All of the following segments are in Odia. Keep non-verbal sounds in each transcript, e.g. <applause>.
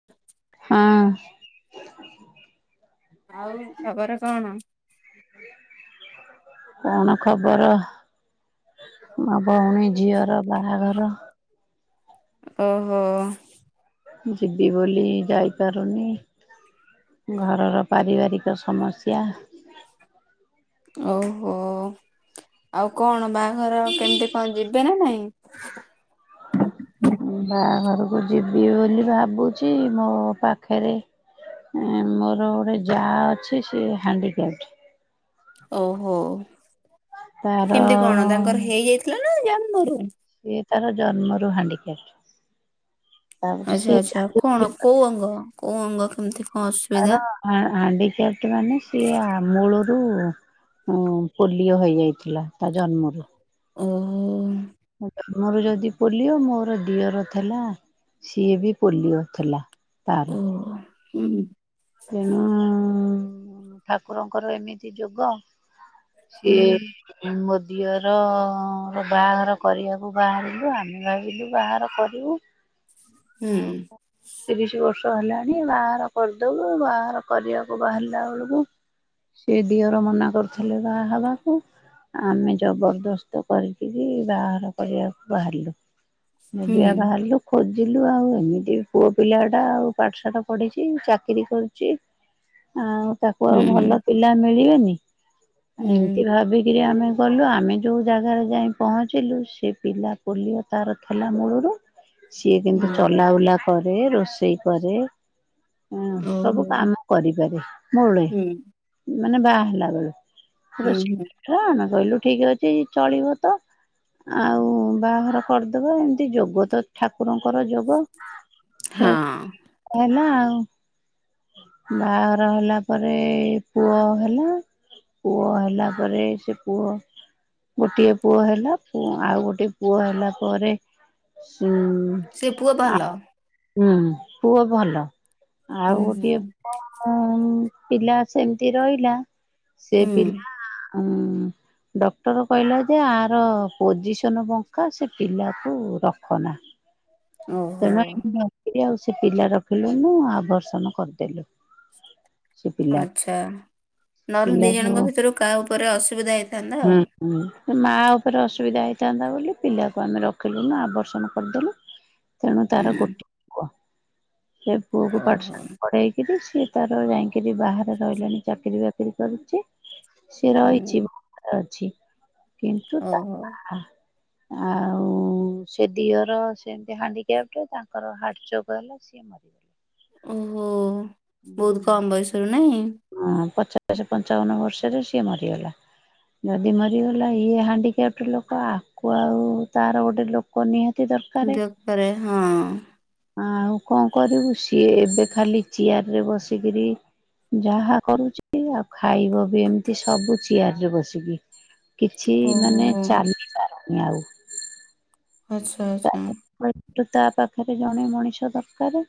ହଁ। ଆଉ ଖବର କଣ? କଣ ଖବର ମୋ ଭୋଉଣୀ ଝିଅର ବାହାଘର। ଓହୋ। ଯିବି ବୋଲି ଯାଇପାରୁନି। ଘରର ପାରିବାରିକ ସମସ୍ୟା। ଓହୋ ଆଉ କଣ ବାହାଘର କେମିତି କଣ ଯିବେ ନା ନାଇଁ? ଉଁ ବାହାଘରକୁ ଯିବି ବୋଲି ଭାବୁଛି ମୋ ପାଖରେ ଏ ମୋର ଗୋଟେ ଯା ଅଛି ସେ ହାଣ୍ଡିକ୍ୟାପ। ଓହୋ ତାର କେମିତି କଣ ତାଙ୍କର ହେଇଯାଇଥିଲା ନା ଜନ୍ମରୁ? ସିଏ ତାର ଜନ୍ମରୁ ହାଣ୍ଡିକ୍ୟାପ୍। ତାପରେ ଆଚ୍ଛା ସିଏ ଆଚ୍ଛା କଣ କୋଉ ଅଙ୍ଗ କୋଉ ଅଙ୍ଗ କେମିତି କଣ ଅସୁବିଧା? ତାର ହା ହାଣ୍ଡିକ୍ୟାପ୍ଟ ମାନେ ସିଏ ଆ ମୂଳରୁ ପୋଲିଓ ହେଇଯାଇଥିଲା ତା ଜନ୍ମରୁ। ଉହୁଁ। ତମର ଯଦି ପୋଲିଓ ମୋର ଦିଅର ଥିଲା ସିଏ ବି ପୋଲିଅ ଥିଲା ତାର ହ ହୁଁ। ତେଣୁ ଠାକୁରଙ୍କର ଏମିତି ଯୋଗ ହୁଁ ସିଏ ମୋ ଦିଅରର ବାହାଘର କରିବାକୁ ବାହାରିଲୁ ଆମେ ଭାବିଲୁ ବାହାଘର କରିବୁ ହୁଁ ଆଉ ତିରିଶ ବର୍ଷ ହେଲାଣି ବାହାଘର କର ଦୋବୁ ବାହାଘର କରିବାକୁ ବାହାରିଲା ବେଳକୁ ସେ ଦିଅର ମନା କରୁଥିଲେ ବାହା ହେବାକୁ। ଆମେ ଜବରଦସ୍ତ କରିକି ବାହାଘର କରିବାକୁ ବାହାରିଲୁ। ହୁଁ ଅବିକା ବାହାରିଲୁ। ଖୋଜିଲୁ ଆଉ ଏମିତି ପୁଅ ପିଲା ଟା ଆଉ ପାଠଶାଠ ପଢିଚି ଚାକିରି କରୁଚି ଆଉ ତାକୁ ଆଉ ହୁଁ ଭଲ ପିଲା ମିଳିବେନି। ହୁଁ ଏମିତି ଭାବିକିରି ଆମେ ଗଲୁ। ଆମେ ଯେଉଁ ଜାଗାରେ ଯାଇ ପହଞ୍ଚିଲୁ ସେ ପିଲା ପୋଲିଓ ତାର ଥିଲା। ମୂଳରୁ ସିଏ କିନ୍ତୁ ହୁଁ ଚଲାବୁଲାକରେ ରୋଷେଇ କରେ। ହଁ ଓହୋ ସବୁ କାମ କରିପାରେ। ମୂଳେ, ହୁଁ ମାନେ ବାହା ହେଲା ବେଳୁ ହୁଁ ହୁଁ କଣ କହିଲୁ ଠିକ ଅଛି ଚଳିବ ତ। ଆଉ ବାହାଘର କରିଦବା। ଏମତି ଯୋଗ ତ ଠାକୁରଙ୍କର ଯୋଗ ହଁ। ଅନା ବାହାଘର ହେଲା ପରେ ପୁଅ ହେଲା। ପୁଅ ହେଲା ପରେ ସେ ପୁଅ ଗୋଟିଏ ପୁଅ ହେଲା। ପୁ ଆଉ ଗୋଟଏ ପୁଅ ହେଲା ପରେ ସୁ ସେ ପୁଅ ଭଲ? ହୁଁ, ପୁଅ ଭଲ। ହୁଁ ଆଉ ଗୋଟିଏ ହୁଁ ପିଲା ସେମିତି ରହିଲା। ସେ ହୁଁ ପିଲା ଆଉଁ ଡକ୍ଟର କହିଲା ଯେ ଆର ପୋଜିସନ ବଙ୍କା ସେ ପିଲାକୁ ରଖନାହିଁ। ଓହୋ ତେଣୁ ଆଉ ମୁଁ ନଥିଲି। ଆଉ ସେ ପିଲା ରଖିଲେନି ଆଭର୍ଷନ କରିଦେଲେ। ଆଚ୍ଛା, ନହେଲେ ଦି ପିଲାକୁ ଜଣଙ୍କ ଭିତରୁ କାହା ଉପରେ ଅସୁବିଧା ହେଇଥାନ୍ତା ହୁଁ ଆଉ। ହୁଁ, ହେ ମା ଉପରେ ଅସୁବିଧା ହେଇଥାନ୍ତା ବୋଲି ପିଲାକୁ ଆମେ ରଖିଲୁନୁ ଆବର୍ଷନ କରିଦେଲୁ। ତେଣୁ ତାର ହୁଁ ଗୋଟିଏ ପୁଅ। ସେ ପୁଅକୁ ପାଠ ଓହୋ ସାଠ ପଢେଇକି କିରି ସିଏ ତାର ଯାଇଁକିରି ବାହାରେ ରହିଲାଣି ଚାକିରି ବାକିରି କରୁଚି। ସେି ହୁଁ ରହିଛି ଅଛି <unintelligible> କିନ୍ତୁ ତା ଓହୋ ଆଉ ସେ ଦିଅର ସେମିତି ହାଣ୍ଡି କ୍ୟାପ୍ଟ, ତାଙ୍କର ହାର୍ଟଚୋକ ହେଲା ସିଏ ମରିଗଲେ। ଓହୋ, ବହୁତ କମ୍ ବୟସରୁ ନାଇଁ? ହଁ, ପଚାଶ, ପଞ୍ଚାବନ ବର୍ଷରେ ସିଏ ମରିଗଲା। ଯଦି ମରିଗଲା ଇଏ ହାଡିିକ୍ୟାପ୍ଟ ଲୋକ ଆକୁ ଆଉ ତାର ଗୋଟେ ଲୋକ ଲୋକ ନିହାତି ଦରକାରେ। ଆଉ କଣ କରିବୁ? ସିଏ ଏବେ ଖାଲି ଚେୟାରରେ ବସିକରି ଯାହା କରୁଚି। ଆଉ ଖାଇବା ବି ଏମିତି ସବୁ ଚିୟାରରେ ବସିକି। କିଛି ମାନେ ଓହୋ ଚାଲି ପାରୁନି ଆଉ। ଆଚଛା, ଆଚଛା। ତା ପାଖରେ ଜଣେ ମଣିଷ ଦରକାର।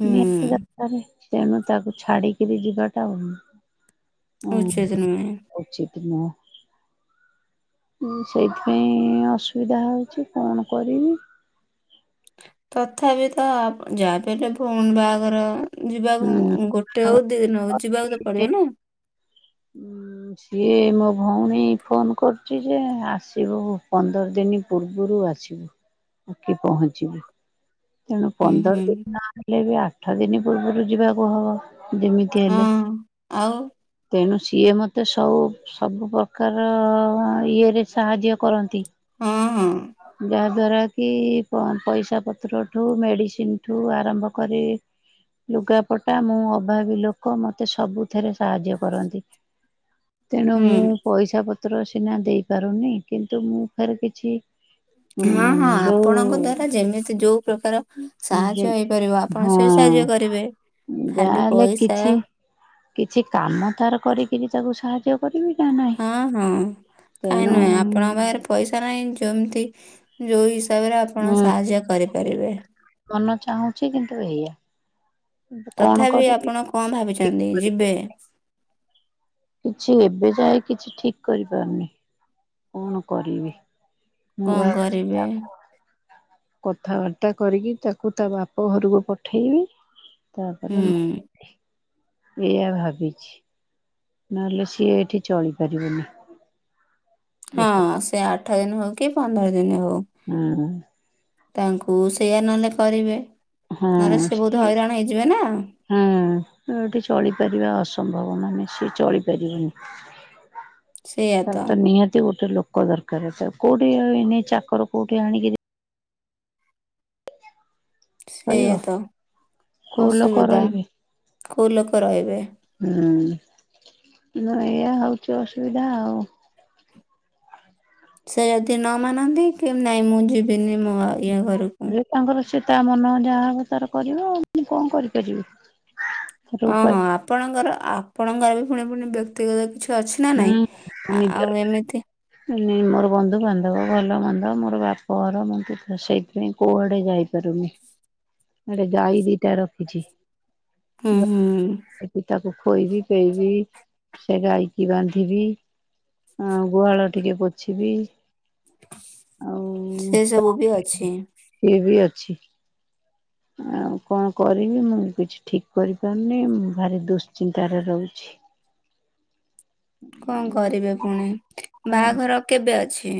ହୁଁ ନିହାତି ତେଣୁ ତାକୁ ଛାଡିକିରି ଯିବାଟା ଆଉ ଉଚିତ ନୁହେଁ। ଏ ଚିକିନ ସେଇଥିପାଇଁ ଅସୁବିଧା ହଉଚି, କଣ କରିବି? ତଥାପି ତ ଯାହା ବି ହେଲେ ଫୁଣ ବାହାଘର ଯିବାକୁ ହୁଁ। ଗୋ ହଉ ଦି ଦିନ ଯିବାକୁ ତ ପଡିବ ନା। ହୁଁ, ସିଏ ମୋ ଭଉଣୀ ଫୋନ୍ କରୁଚି ଯେ ଆସିବୁ ପନ୍ଦର ଦିନି ପୂର୍ବରୁ ଆସିବୁ। ଆସିକିି ପହଞ୍ଚିବୁ। ତେଣୁ ହୁଁ ହୁଁ ପନ୍ଦର ଦିନ ନହେଲେ ବି ଆଠ ଦିନ ପୂର୍ବରୁ ଯିବାକୁ ହବ। ଯେମିତି ହଁ ହେଲେ, ଆଉ ତେଣୁ ସିଏ ମତେ ସଉ ସବୁ ପ୍ରକାର ଇଏରେ ସାହାଯ୍ୟ କରନ୍ତି। ହଁ- ହଁ। ଯାହାଦ୍ଵାରା କି ପଇସା ପତ୍ର ଠୁ ମେଡ଼ିସିନ୍ ଠୁ ଆରମ୍ଭ କରି। ଲୁଗାପଟା ମୁଁ ଅଭାବୀ ଲୋକ ମତେ ସବୁଥିରେ ସାହାଯ୍ୟ କରନ୍ତି। ତେଣୁ ହୁଁ। ମୁଁ ପଇସା ପତ୍ର ସିନା ଦେଇ ପାରୁନି କିନ୍ତୁ ମୁଁ ଫରେ କିଛି। ଉଁ ହଁ -ହଁ ଆପଣଙ୍କ ଦ୍ଵାରା ଯୋଉ ଯେମିତି ଯୋଉ ପ୍ରକାର ଯେ ସାହାଯ୍ୟ ହେଇପାରିବ। ଆପଣ ସେ ହଁ ସାହାଯ୍ୟ କରିବେ। ଖାଲି ଯାହାହେଲେ ପଇସା କିଛି, କିଛି କାମ ତାର କରିକିରି ତାକୁ ସାହାଯ୍ୟ। କରିବି ନା -ନା। ହଁ- ହଁ କାଇ ନୁହେଁ ଆପଣଙ୍କ ପାଖରେ ପଇସା ନାହିଁ ଯୋମ୍ ତି ଯୋଉ ହିସାବରେ ଆପଣ ମୁଁ ସାହାଯ୍ୟ କରିପାରିବେ। ମନ ଚାହୁଁଛି କିନ୍ତୁ ଏଇଆ। କିନ୍ତୁ କଣ ତଥାପି କରିବି ଆପଣ କଣ ଭାବିଛନ୍ତି, ଯିବେ? କିଛି ଏବେ ଯାଏ କିଛି ଠିକ୍ କରିପାରୁନି, କଣ କରିବି। ମୁଁ କଣ ଭାବୁଛି କରିବେ? ତାକୁ କଥାବାର୍ତ୍ତା କରିକି ତାକୁ ତା ବାପ ଘରକୁ ପଠେଇବି। ତାପରେ, ହୁଁ ମୁ ଏଆ ଭାବିଛି। ନହେଲେ ସିଏ ଏଠି ଚଳିପାରିବନି। ହଁ ଏକ ସେ ଆଠ ଦିନ୍ ହଉ କି ପନ୍ଦର ଦିନ୍ ହଉ। ହୁଁ-ମୁଁ। ତାଙ୍କୁ ସେୟା ନହେଲେ କରିବେ, ନହେଲେ ହଁ ସେ ବହୁତ୍ ସିଏ ଏଠି ହଇରାଣ ହେଇଯିବେ ନା। ହୁଁ -ଉଁ ଏଠି ଚଳିପାରିବା ଅସମ୍ଭବ ମାନେ ସିଏ ଚଳିପାରିବନି। ତା ତ ନିହାତି ଗୋଟେ ଲୋକ ଦରକାରେ ତ କୋଉଠି ଏ- ଏନେ ଚାକର କୋଉଠି ଆଣିକି ରହିବ ସେଇଆ ତ କୋଉ ଲୋକ ଅସୁବିଧା ରହିବେ କୋଉ ଲୋକ ରହିବେ। ହୁଁ, ଏଇଆ ହଉଛି ଅସୁବିଧା ଆଉ। ସେ ଯଦି ନ ମାନନ୍ତି, କେମି ନାଇଁ ମୁଁ ଯିବିନି ମୋ ଇଆ ଘରକୁ। ଏ ତାଙ୍କର ସେତା ମନ ଯାହା ହବ ତାର କରିବ ଆଉ, ମୁ କଣ କରିପାରିବି। ତାର ଓଁ ଉପାୟ -ହଁ, ଆପଣଙ୍କର, ଆପଣଙ୍କର ବି ପୁଣି ପୁଣି ବ୍ୟକ୍ତିଗତ କିଛି କେ ଅଛି ନା ନାଇଁ, ଆଉ ଏମିତି ନେ ମୋର ବନ୍ଧୁବାନ୍ଧବ, ଭଲ ମନ୍ଦ, ମୋର ବାପ ଘର, ମ ସେଇଥିପାଇଁ କୁଆଡେ ଯାଇପାରୁନି, ଆଡେ ଗାଇ ଦିଟା ରଖିଛି। ହୁଁ-ହୁଁ-ହୁଁ ଗାଈକି ତାକୁ ଖୋଇବି, ପେଇବି, ସେ ଗାଈ କି ବାନ୍ଧିବି, ଆ ଗୁହାଳ ଟିକେ ପୋଛିବି। ଆଉ ସେ ସବୁ ବି ଅଛି। ଇଏ ବି ଅଛି। ଆଉ କଣ କରିବି, ମୁଁ କିଛି ଠିକ୍ କରିପାରୁନି, ମୁଁ ଭାରି ଦୁଶ୍ଚିନ୍ତାରେ ରହୁଛି। କଣ କରିବେ ପୁଣି, ବାହାଘର କେବେ ଅଛି?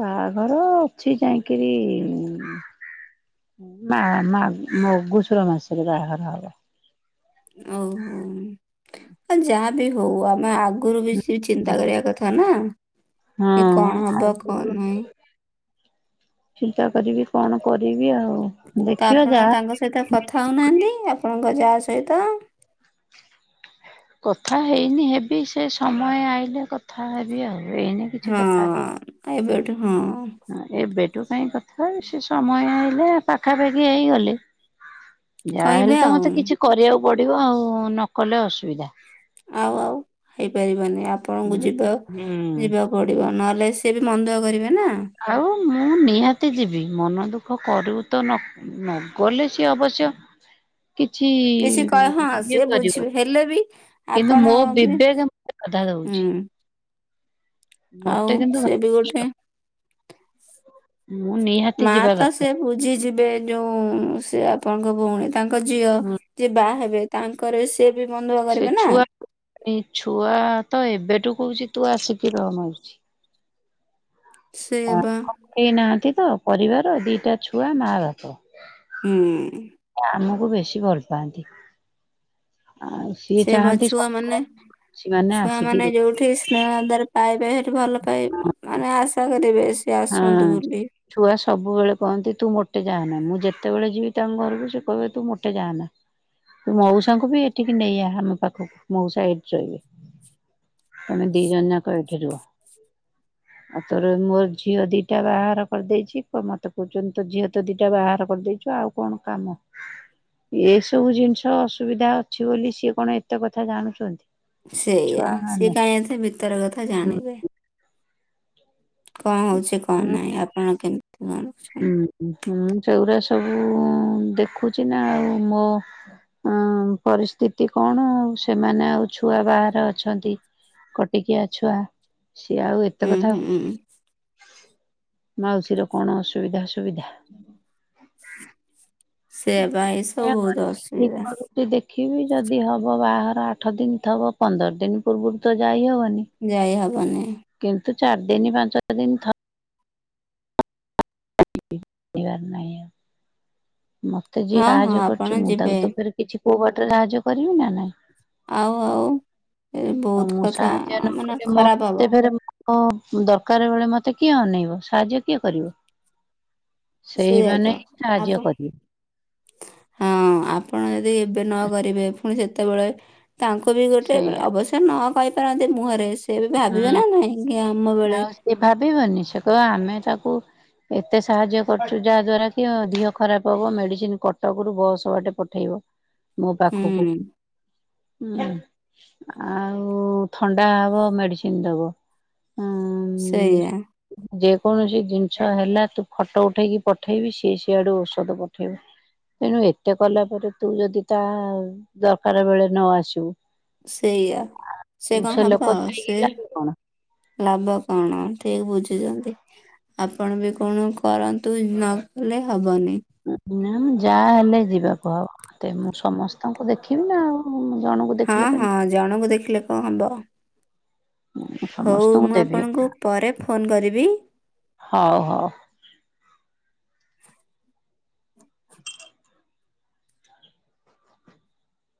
ବାହାଘର ଅଛି ଯାଇକିରି ମା- ମା- ମଗୁଷୁର ମାସ ରେ ବାହାଘର ହବ। ଓହୋ, ଆଉ ଯାହା ବି ହଉ, ଆମେ ଆଗରୁ ବି ଚିନ୍ତା କରିବା କଥା ନା, ଏ ହଁ କଣ ହବ, କଣ ଆଗକୁ ନାହିଁ? ଚିନ୍ତା କରିବି କଣ କରିବି ଆଉ? ତ ଦେଖିବା ଆପଣ ଯାହା ତାଙ୍କ ସହିତ କଥା ହଉନାହାନ୍ତି। ଆପଣଙ୍କ ଯା ସହିତ। କଥା ହେଇନି ହେବି। ସେ ସମୟ ଆଇିଲେ କଥା ହେବି ଆଉ। ଏଇନେ କିଛି ହଁ। ଏବେଠୁ ହଁ। ହ। ଏବେଠୁ କାହିଁ କଥା ହେବେ। ସେ ସମୟ ଆଇଲେ ପାଖାପାଖି ହେଇଗଲେ। ଯାହାହେଲେ କହିବେ ତ ମତେ ଆଉ କିଛି କରିୟାକୁ ପଡିବ। ଆଉ ନକଲେ ତ ଅସୁବିଧା। ଆଉ ଆଉ ହେଇପାରିବନି। ଆପଣଙ୍କୁ ଯିବା ହୁଁ ଯିବାକୁ ପଡିବ। ନହେଲେ ସିଏ ବି ମନ ଦୁଃଖ କରିବେ ନା। ଆଉ ମୁଁ ନିହାତି ଯିବି। ମନ ଦୁଃଖ କରିବୁ ତ ନ ନ ଗଲେ ସିଏ ଅବଶ୍ୟ। କିଛି କିଛି କହ ହଁ ଇଏ ସିଏ କରିବନି। ବୁଝିବେ ହେଲେ ବି କିନ୍ତୁ ଆପଣ ମୋ ବି ବିବେକ କଥା ଦଉଛି। ହୁଁ ଆଉ ମତେ କିନ୍ତୁ ସିଏ ବି ଗୋଟେ ମୁଁ ନିହାତି ମା ଯିବା ତ ସେ ଦରକାର। ବୁଝିଯିବେ। ଯୋଉ ସେ ଆପଣଙ୍କ ଭଉଣୀ। ତାଙ୍କ ଝିଅ। ହୁଁ ଯିଏ ବାହା ହେବେ। ତାଙ୍କର ସେଏ ବି ମନଦୁଃଖ ସେ କରିବେ ନା। ଛୁଆ ଏଇ ଛୁଆ ତ ଏବେଠୁ କହୁଛି, ତୁ ଆସିକି ରହ କଉଚି। ସେୟାବା। କେଇ ନାହାନ୍ତି ତ ପରିବାର। ଦିଟା ଛୁଆ ମା ବାପ। ହୁଁ। ଆମକୁ ବେଶୀ ଭଲ ପାଆନ୍ତି। ଆ ସେ ବା ଛୁଆମାନେ ମାନେ ଆସିକି ଛୁଆମାନେ ରୁ ଯୋଉଠି ସ୍ନେହ ଆଦାର ପାଇବେ, ସେଠି ଭଲ ପାଇ। ମାନେ ଆଶା କରିବେ। ସିଏ ହଁ। ଆସନ୍ତୁ ବୋଲି। ଛୁଆ ସବୁବେଳେ କହନ୍ତି, ତୁ ମୋଟେ ଯା ନା। ମୁଁ ଯେତେବେଳେ ଯିବି ତାଙ୍କ ଘରକୁ, ସେ କହିବେ ତୁ ମୋଟେ ଯାଆନା। ମଉସାଙ୍କୁ ବି ଏଠିକି ନେଇଆ ଆମ ପାଖକୁ, ମଉସା ଏଇଠି ରହିବେ। ତମେ ଦି ଜଣ ଯାକ ଏଇଠି ରୁହ। ଆଉ ତୋର ମୋ ଝିଅ ଦିଟା ବାହାଘର କରିଦେଇଛି। ମତେ କହୁଛନ୍ତି, ତ ଝିଅ ତ ଦିଟା ବାହାଘର କରିଦେଇଛୁ। ଆଉ କଣ କାମ? ଏ ସବୁ ଜିନିଷ ଅସୁବିଧା ହଉଛି ବୋଲି, ସିଏ କଣ ଏତେ କଥା ଜାଣୁଛନ୍ତି? ସେଇଆ। ସିଏ ଛୁଆମାନେ କାହିଁ ଏତେ ଭିତର କଥା ଜାଣିବେ। କଣ ହଉଛି, କଣ ହୁଁ ନାହିଁ? ଆପଣ କେମତି ବଞ୍ଚୁଛନ୍ତି? ହୁଁ ସେଉରା ସବୁ ଦେଖୁଛି ନା ଆଉ। ମୋ ହଁ ପରିସ୍ଥିତି କଣ? ଆଉ ସେମାନେ ଆଉ ଛୁଆ ବାହାରେ ଅଛନ୍ତି। କଟିକିଆ ଛୁଆ ସିଏ ଆଉ ଏ ଉୁଁ ହୁଁ ମାଉସୀର କଣ ଅସୁବିଧା ସୁବିଧା ସେୟା ବା ଏ ସବୁ ବହୁତ ଅସୁବିଧା ଯଦି ଦେଖିବି ଯଦି ହବ ବାହାଘର ଆଠ ଦିନ ଥବ ପନ୍ଦର ଦିନ ପୂର୍ବରୁ ତ ଯାଇ ହବନି। ଯାଇହବନି କିନ୍ତୁ ଚାରି ଦିନ ପାଞ୍ଚ ଦିନ ଥ ବାର ନାହିଁ ଆଉ ମତେ ଯିଏ ହଁ ହଁ ସାହାଯ୍ୟ ଆପଣ କରିଛି ମୁଁ ଯିବେ ତାକୁ ତ ଫେରେ କିଛି କୋଉ ବାଟରେ ସାହାଯ୍ୟ କରିବି ନା ନାଇଁ। ଆଉ ଆଉ ଏ ଆଉ ବହୁତ ମୁଁ କଥା ମାନେ ଖରାପ ହବ। ଓ ଦରକାର ବେଳେ ମତେ କିଏ ଅନେଇବ ସାହାଯ୍ୟ କିଏ କରିବ। ସେଇଆ ତ ସେଇମାନେ ହିଁ ସାହାଯ୍ୟ ଆପଣ କରିବେ। ହଁ ଆପଣ ଯଦି ଏବେ ନ କରିବେ ପୁଣି ସେତେବେଳେ ତାଙ୍କୁ ବି ଗୋଟେ ସେଇଆ ଅବସ୍ୟ ନ କହି ପାରନ୍ତି ମୁହଁରେ ସେ ବି ଭାବିବେ ନା ନାଇଁ। ଆଜ୍ଞା ଆମ ବେଳେ ସେ ଭାବିବନି ସେକ ଆମେ ତାକୁ ଏତେ ସାହାଯ୍ୟ କରୁଛୁ ଯାହା ଦ୍ଵାରା କି ଦିହ ଖରାପ ହବ ମେଡିସିନ କଟକରୁୁ ବସ ବାଟେ ପଠ ମୋ ପାଖକୁ ହୁଁ ଆଉ ଥଣ୍ଡା ହବ ମେଡିସିନ ଦବ। ଉଁ ସେଇଆ। ଯେକୌଣସି ଜିନିଷ ହେଲା ତୁ ଫଟୋ ଉଠେଇକି ପଠେଇବି ସିଏ ସିଆଡୁ ଔଷଧ ପଠେଇବ। ତେଣୁ ଏତେ କଲା ପରେ ତୁ ଯଦି ତା ଦରକାର ବେଳେ ନ ଆସିବୁ ସେଇଆ ସେ କଣ ହେବ ଲୋକ ଥାଇକି ସେ ଲାଭ କଣ? ଲାଭ କଣ ଠିକ ବୁଝୁଛନ୍ତି। ଆପଣ ବି କଣ କରନ୍ତୁ ନ କଲେ ହବନି। ଯାହା ହେଲେ ଯିବାକୁ ହବ ମତେ ମୁଁ ସମସ୍ତେ ହଁ କେମିତି ହଁ ଜଣଙ୍କୁ ଦେଖିଲେ କଣ ହବ? ମୁଁ ହଉ ସମସ୍ତଙ୍କୁ ମୁଁ ଦେବି ଆପଣଙ୍କୁ ପରେ ଫୋନ କରିବି। ହଉ ହଉ।